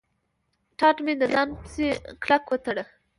ټاټ مې په ځان پسې کلک و تاړه.